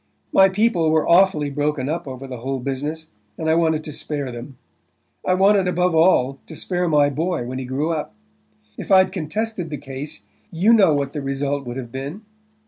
My people were awfully broken up over the whole business, and I wanted to spare them. I wanted, above all, to spare my boy when he grew up. If I'd contested the case you know what the result would have been.